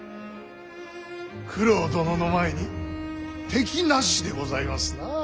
九郎殿の前に敵なしでございますな。